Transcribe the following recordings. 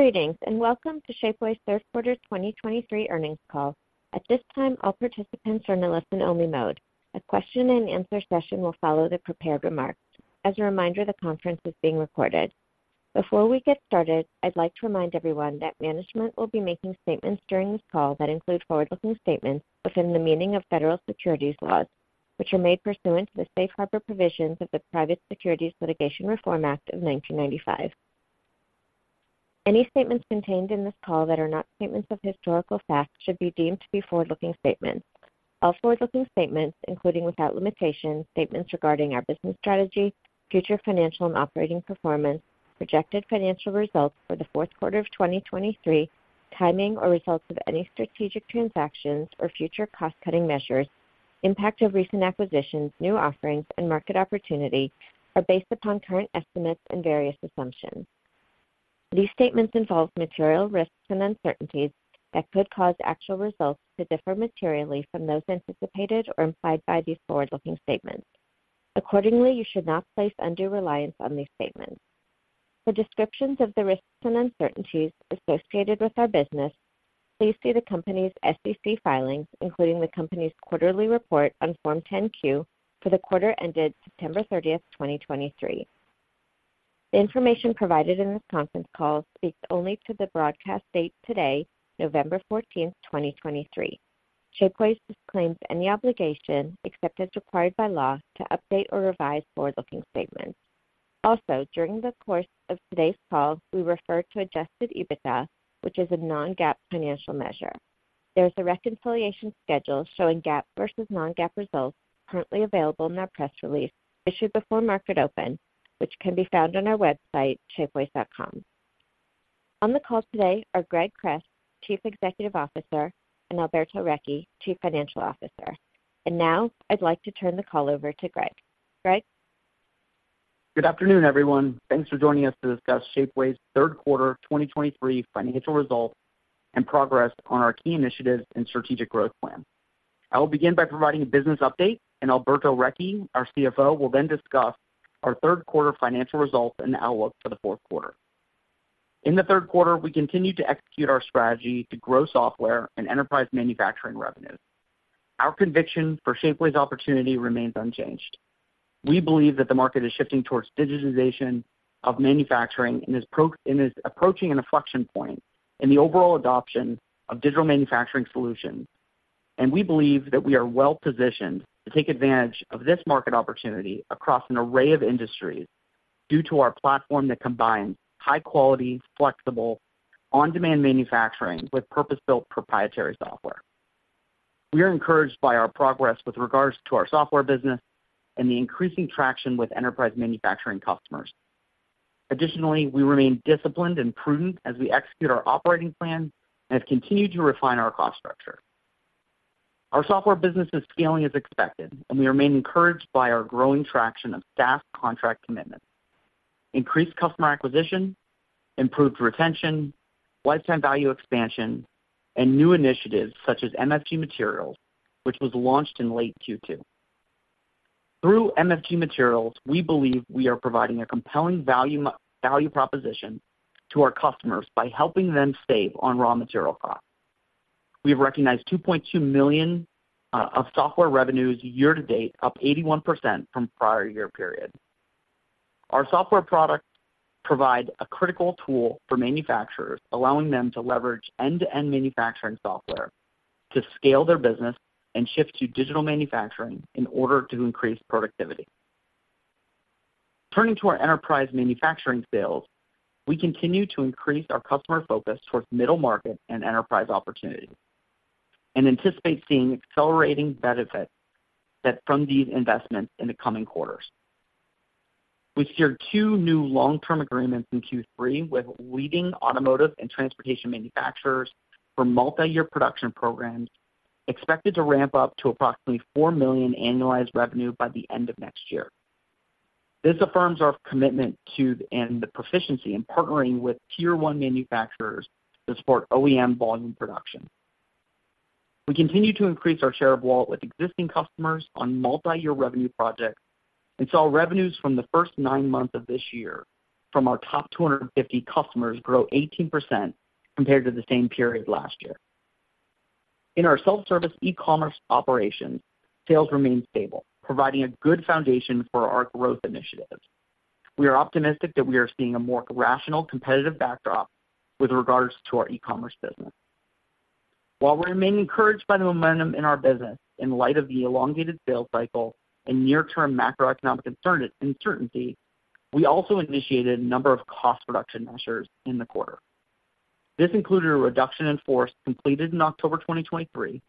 Greetings, and welcome to Shapeways' third quarter 2023 earnings call. At this time, all participants are in a listen-only mode. A question and answer session will follow the prepared remarks. As a reminder, the conference is being recorded. Before we get started, I'd like to remind everyone that management will be making statements during this call that include forward-looking statements within the meaning of federal securities laws, which are made pursuant to the Safe Harbor provisions of the Private Securities Litigation Reform Act of 1995. Any statements contained in this call that are not statements of historical fact should be deemed to be forward-looking statements. All forward-looking statements, including without limitation, statements regarding our business strategy, future financial and operating performance, projected financial results for the fourth quarter of 2023, timing or results of any strategic transactions or future cost-cutting measures, impact of recent acquisitions, new offerings, and market opportunity, are based upon current estimates and various assumptions. These statements involve material risks and uncertainties that could cause actual results to differ materially from those anticipated or implied by these forward-looking statements. Accordingly, you should not place undue reliance on these statements. For descriptions of the risks and uncertainties associated with our business, please see the company's SEC filings, including the company's quarterly report on Form 10-Q for the quarter ended September 30th, 2023. The information provided in this conference call speaks only to the broadcast date today, November 14th, 2023. Shapeways disclaims any obligation, except as required by law, to update or revise forward-looking statements. Also, during the course of today's call, we refer to Adjusted EBITDA, which is a non-GAAP financial measure. There is a reconciliation schedule showing GAAP versus non-GAAP results currently available in our press release, issued before market open, which can be found on our website, shapeways.com. On the call today are Greg Kress, Chief Executive Officer, and Alberto Recchi, Chief Financial Officer. And now, I'd like to turn the call over to Greg. Greg? Good afternoon, everyone. Thanks for joining us to discuss Shapeways' third quarter 2023 financial results and progress on our key initiatives and strategic growth plan. I will begin by providing a business update, and Alberto Recchi, our CFO, will then discuss our third quarter financial results and outlook for the fourth quarter. In the third quarter, we continued to execute our strategy to grow software and enterprise manufacturing revenues. Our conviction for Shapeways' opportunity remains unchanged. We believe that the market is shifting towards digitization of manufacturing and is approaching an inflection point in the overall adoption of digital manufacturing solutions. We believe that we are well-positioned to take advantage of this market opportunity across an array of industries due to our platform that combines high quality, flexible, on-demand manufacturing with purpose-built proprietary software. We are encouraged by our progress with regards to our software business and the increasing traction with enterprise manufacturing customers. Additionally, we remain disciplined and prudent as we execute our operating plan and have continued to refine our cost structure. Our software business is scaling as expected, and we remain encouraged by our growing traction of SaaS contract commitments, increased customer acquisition, improved retention, lifetime value expansion, and new initiatives such as MFG Materials, which was launched in late Q2. Through MFG Materials, we believe we are providing a compelling value, value proposition to our customers by helping them save on raw material costs. We have recognized $2.2 million of software revenues year to date, up 81% from prior year period. Our software products provide a critical tool for manufacturers, allowing them to leverage end-to-end manufacturing software to scale their business and shift to digital manufacturing in order to increase productivity. Turning to our enterprise manufacturing sales, we continue to increase our customer focus towards middle market and enterprise opportunities and anticipate seeing accelerating benefits from these investments in the coming quarters. We secured two new long-term agreements in Q3 with leading automotive and transportation manufacturers for multiyear production programs, expected to ramp up to approximately $4 million annualized revenue by the end of next year. This affirms our commitment to and the proficiency in partnering with Tier One manufacturers to support OEM volume production. We continue to increase our share of wallet with existing customers on multiyear revenue projects and saw revenues from the first nine months of this year from our top 250 customers grow 18% compared to the same period last year. In our self-service e-commerce operations, sales remained stable, providing a good foundation for our growth initiatives. We are optimistic that we are seeing a more rational, competitive backdrop with regards to our e-commerce business. While we remain encouraged by the momentum in our business in light of the elongated sales cycle and near-term macroeconomic uncertainty, we also initiated a number of cost reduction measures in the quarter. This included a reduction in force completed in October 2023,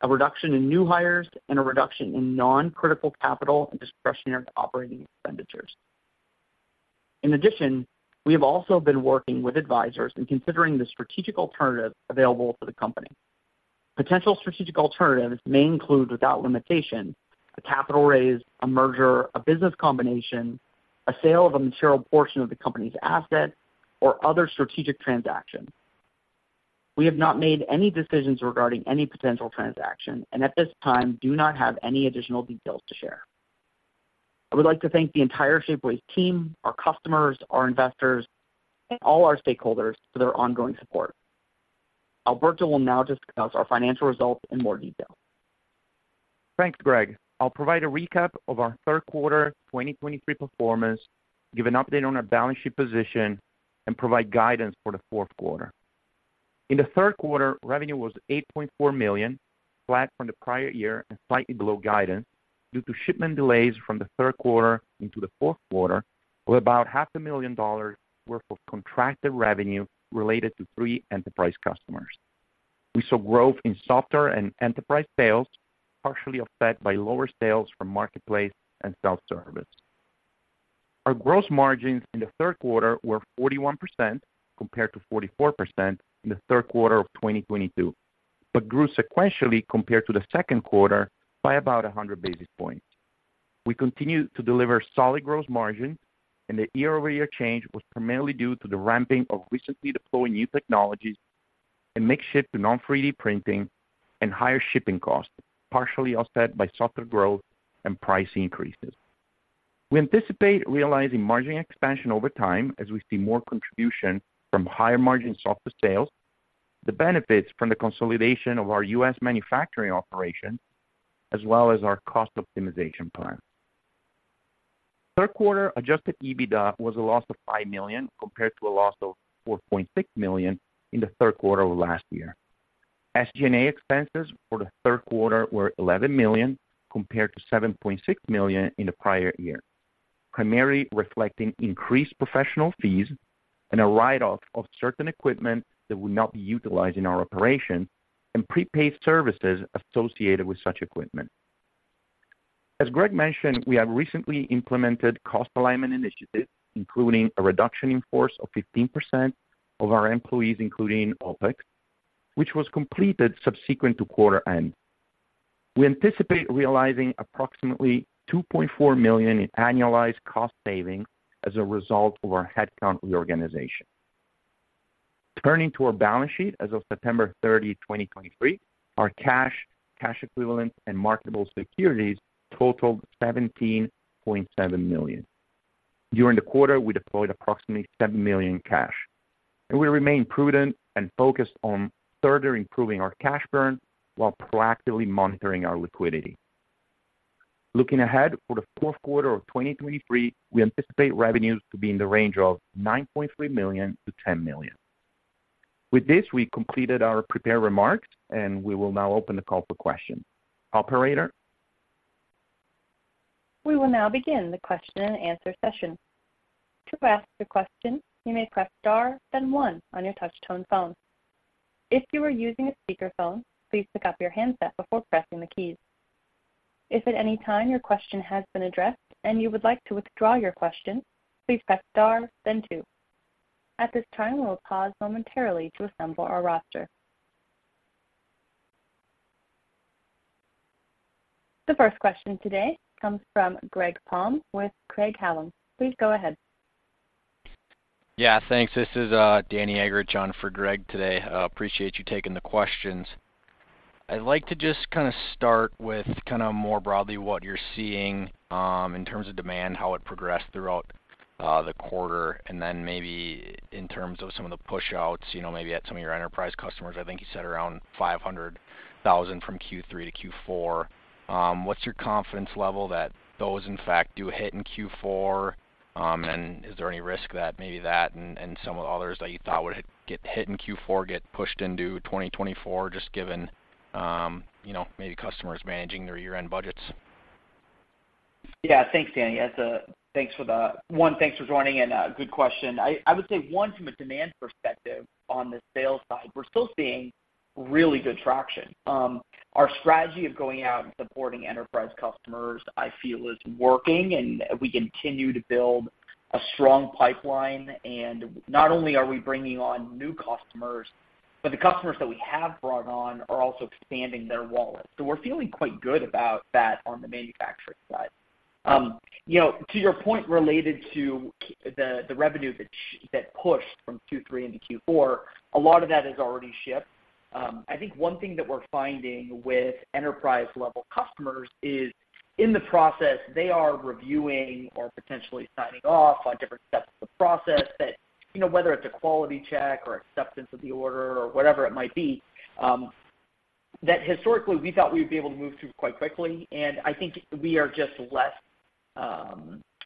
a reduction in new hires, and a reduction in non-critical capital and discretionary operating expenditures. In addition, we have also been working with advisors in considering the strategic alternatives available to the company. Potential strategic alternatives may include, without limitation, a capital raise, a merger, a business combination, a sale of a material portion of the company's assets, or other strategic transaction. We have not made any decisions regarding any potential transaction and at this time, do not have any additional details to share.... I would like to thank the entire Shapeways team, our customers, our investors, and all our stakeholders for their ongoing support. Alberto will now discuss our financial results in more detail. Thanks, Greg. I'll provide a recap of our third quarter 2023 performance, give an update on our balance sheet position, and provide guidance for the fourth quarter. In the third quarter, revenue was $8.4 million, flat from the prior year and slightly below guidance, due to shipment delays from the third quarter into the fourth quarter, with about $500,000 worth of contracted revenue related to three enterprise customers. We saw growth in software and enterprise sales, partially offset by lower sales from marketplace and self-service. Our gross margins in the third quarter were 41%, compared to 44% in the third quarter of 2022, but grew sequentially compared to the second quarter by about 100 basis points. We continued to deliver solid gross margin, and the year-over-year change was primarily due to the ramping of recently deploying new technologies and mix shift to non-3D printing and higher shipping costs, partially offset by software growth and price increases. We anticipate realizing margin expansion over time as we see more contribution from higher-margin software sales, the benefits from the consolidation of our U.S. manufacturing operation, as well as our cost optimization plan. Third quarter Adjusted EBITDA was a loss of $5 million, compared to a loss of $4.6 million in the third quarter of last year. SG&A expenses for the third quarter were $11 million, compared to $7.6 million in the prior year, primarily reflecting increased professional fees and a write-off of certain equipment that would not be utilized in our operation and prepaid services associated with such equipment. As Greg mentioned, we have recently implemented cost alignment initiatives, including a reduction in force of 15% of our employees, including OpEx, which was completed subsequent to quarter end. We anticipate realizing approximately $2.4 million in annualized cost savings as a result of our headcount reorganization. Turning to our balance sheet, as of September 30th, 2023, our cash, cash equivalents, and marketable securities totaled $17.7 million. During the quarter, we deployed approximately $7 million in cash, and we remain prudent and focused on further improving our cash burn while proactively monitoring our liquidity. Looking ahead for the fourth quarter of 2023, we anticipate revenues to be in the range of $9.3 million-$10 million. With this, we completed our prepared remarks, and we will now open the call for questions. Operator? We will now begin the question-and-answer session. To ask a question, you may press star, then one on your touch tone phone. If you are using a speakerphone, please pick up your handset before pressing the keys. If at any time your question has been addressed and you would like to withdraw your question, please press star, then two. At this time, we will pause momentarily to assemble our roster. The first question today comes from Greg Palm with Craig-Hallum. Please go ahead. Yeah, thanks. This is Danny Eggerichs on for Greg today. Appreciate you taking the questions. I'd like to just kind of start with kind of more broadly what you're seeing in terms of demand, how it progressed throughout the quarter, and then maybe in terms of some of the push-outs, you know, maybe at some of your enterprise customers. I think you said around $500,000 from Q3 to Q4. What's your confidence level that those in fact do hit in Q4? And is there any risk that maybe that and, and some of the others that you thought would get hit in Q4 get pushed into 2024, just given you know, maybe customers managing their year-end budgets? Yeah. Thanks, Danny. That's a... Thanks for the-- One, thanks for joining in, good question. I would say, one, from a demand perspective on the sales side, we're still seeing really good traction. Our strategy of going out and supporting enterprise customers, I feel, is working, and we continue to build a strong pipeline. And not only are we bringing on new customers, but the customers that we have brought on are also expanding their wallet. So we're feeling quite good about that on the manufacturing side. You know, to your point related to the revenue that pushed from Q3 into Q4, a lot of that is already shipped. I think one thing that we're finding with enterprise-level customers is, in the process, they are reviewing or potentially signing off on different steps of the process that, you know, whether it's a quality check or acceptance of the order or whatever it might be, that historically we thought we'd be able to move through quite quickly, and I think we are just less,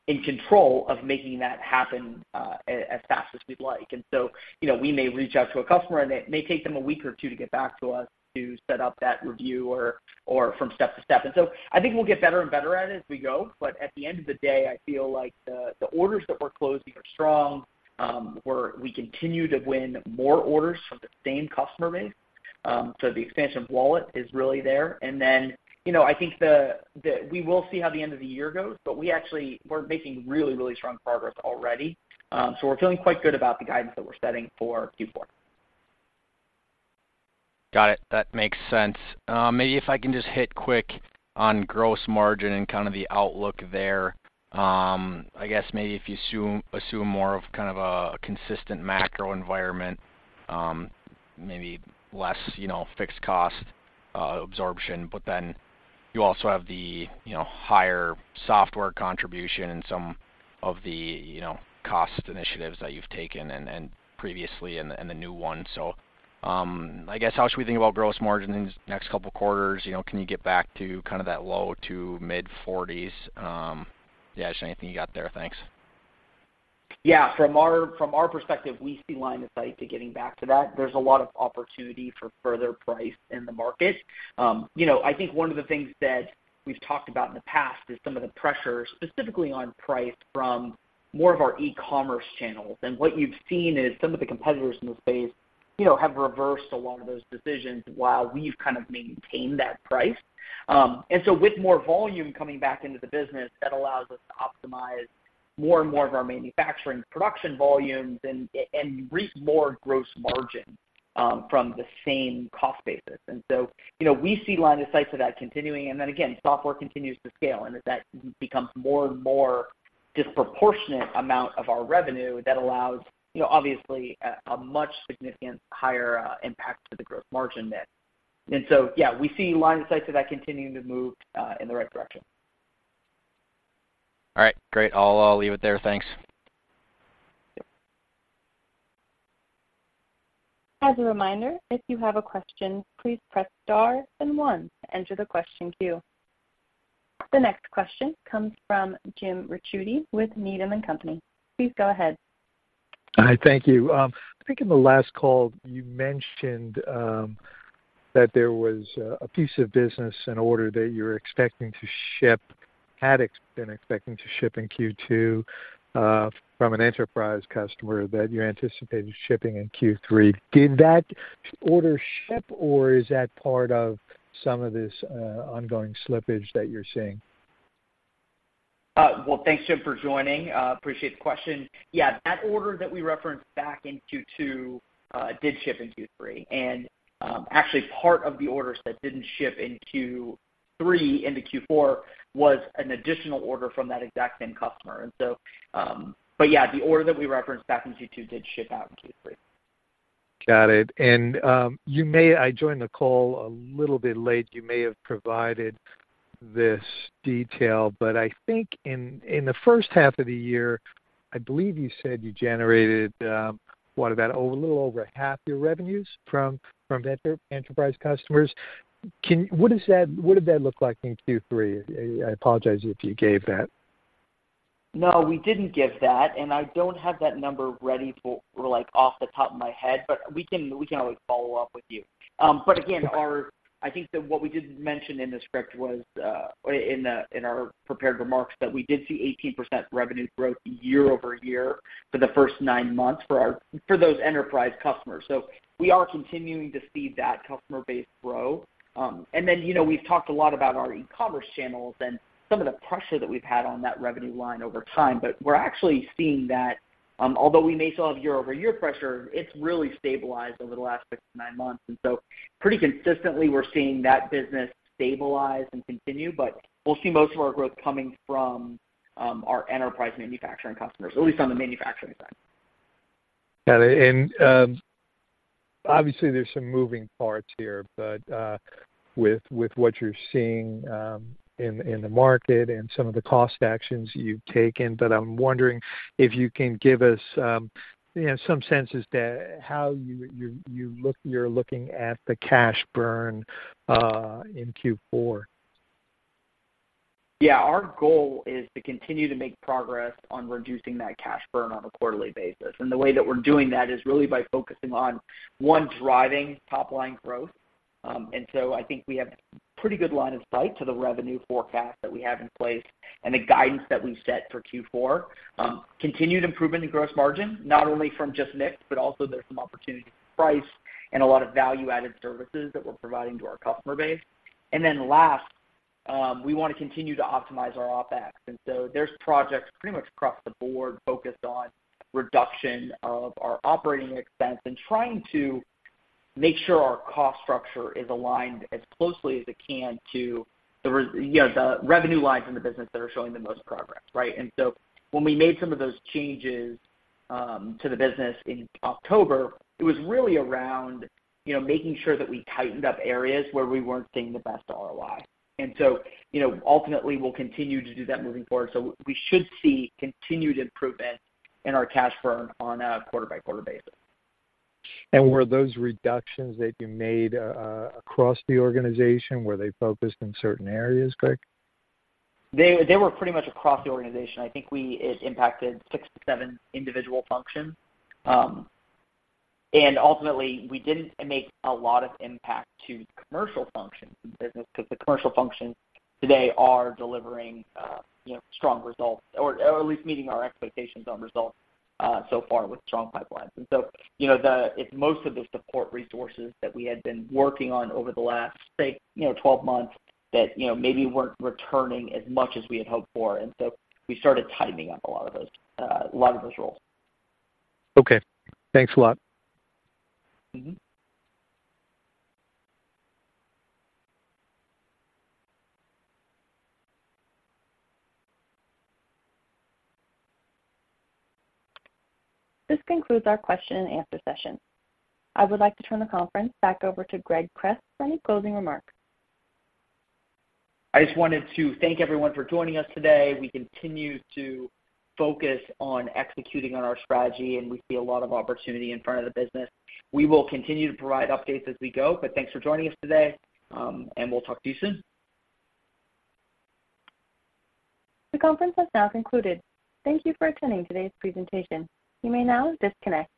in control of making that happen, as fast as we'd like. And so, you know, we may reach out to a customer, and it may take them a week or two to get back to us to set up that review or, or from step to step. I think we'll get better and better at it as we go, but at the end of the day, I feel like the orders that we're closing are strong. We continue to win more orders from the same customer base, so the expansion of wallet is really there. And then, you know, I think we will see how the end of the year goes, but actually we're making really, really strong progress already. So we're feeling quite good about the guidance that we're setting for Q4. Got it. That makes sense. Maybe if I can just hit quick on gross margin and kind of the outlook there. I guess maybe if you assume assume more of kind of a consistent macro environment, maybe less, you know, fixed cost absorption, but then you also have the, you know, higher software contribution and some of the, you know, cost initiatives that you've taken and previously and the new one. So, I guess, how should we think about gross margin in these next couple quarters? You know, can you get back to kind of that low- to mid-40s, yeah, just anything you got there? Thanks. Yeah. From our perspective, we see line of sight to getting back to that. There's a lot of opportunity for further price in the market. You know, I think one of the things that we've talked about in the past is some of the pressure, specifically on price, from more of our e-commerce channels. And what you've seen is some of the competitors in the space, you know, have reversed a lot of those decisions while we've kind of maintained that price. And so with more volume coming back into the business, that allows us to optimize more and more of our manufacturing production volumes and reap more gross margin from the same cost basis. And so, you know, we see line of sight to that continuing. And then again, software continues to scale, and as that becomes more and more disproportionate amount of our revenue, that allows, you know, obviously, a, a much significant higher impact to the gross margin net. And so, yeah, we see line of sight to that continuing to move in the right direction. All right. Great. I'll leave it there. Thanks. As a reminder, if you have a question, please press star then one to enter the question queue. The next question comes from Jim Ricchiuti with Needham and Company. Please go ahead. Hi, thank you. I think in the last call, you mentioned that there was a piece of business, an order that you were expecting to ship—had been expecting to ship in Q2, from an enterprise customer that you anticipated shipping in Q3. Did that order ship, or is that part of some of this ongoing slippage that you're seeing? Well, thanks, Jim, for joining. Appreciate the question. Yeah, that order that we referenced back in Q2 did ship in Q3. And actually, part of the orders that didn't ship in Q3 into Q4 was an additional order from that exact same customer. And so, but yeah, the order that we referenced back in Q2 did ship out in Q3. Got it. And you may... I joined the call a little bit late. You may have provided this detail, but I think in the first half of the year, I believe you said you generated what, about a little over half your revenues from enterprise customers. Can you-- what does that-- what did that look like in Q3? I apologize if you gave that. No, we didn't give that, and I don't have that number ready for, like, off the top of my head, but we can always follow up with you. But again, I think that what we did mention in the script was, in our prepared remarks, that we did see 18% revenue growth year-over-year for the first nine months for those enterprise customers. So we are continuing to see that customer base grow. And then, you know, we've talked a lot about our e-commerce channels and some of the pressure that we've had on that revenue line over time, but we're actually seeing that, although we may still have year-over-year pressure, it's really stabilized over the last six to nine months. And so pretty consistently, we're seeing that business stabilize and continue, but we'll see most of our growth coming from our enterprise manufacturing customers, at least on the manufacturing side. Got it. And obviously, there's some moving parts here, but with what you're seeing in the market and some of the cost actions you've taken, but I'm wondering if you can give us, you know, some sense to how you're looking at the cash burn in Q4. Yeah. Our goal is to continue to make progress on reducing that cash burn on a quarterly basis. And the way that we're doing that is really by focusing on, one, driving top-line growth. And so I think we have pretty good line of sight to the revenue forecast that we have in place and the guidance that we've set for Q4. Continued improvement in gross margin, not only from just mix, but also there's some opportunity to price and a lot of value-added services that we're providing to our customer base. And then last, we want to continue to optimize our OpEx. And so there's projects pretty much across the board focused on reduction of our operating expense and trying to make sure our cost structure is aligned as closely as it can to the, you know, the revenue lines in the business that are showing the most progress, right? And so when we made some of those changes to the business in October, it was really around, you know, making sure that we tightened up areas where we weren't seeing the best ROI. And so, you know, ultimately, we'll continue to do that moving forward. So we should see continued improvement in our cash burn on a quarter-by-quarter basis. Were those reductions that you made across the organization? Were they focused in certain areas, Greg? They were pretty much across the organization. I think we-- it impacted six to seven individual functions. And ultimately, we didn't make a lot of impact to the commercial function in the business, because the commercial functions today are delivering, you know, strong results or, or at least meeting our expectations on results, so far with strong pipelines. And so, you know, the-- it's most of the support resources that we had been working on over the last, say, you know, 12 months, that, you know, maybe weren't returning as much as we had hoped for, and so we started tightening up a lot of those, a lot of those roles. Okay. Thanks a lot. Mm-hmm. This concludes our question and answer session. I would like to turn the conference back over to Greg Kress for any closing remarks. I just wanted to thank everyone for joining us today. We continue to focus on executing on our strategy, and we see a lot of opportunity in front of the business. We will continue to provide updates as we go, but thanks for joining us today, and we'll talk to you soon. The conference has now concluded. Thank you for attending today's presentation. You may now disconnect.